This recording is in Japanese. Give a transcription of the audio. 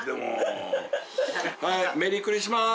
メリークリスマス！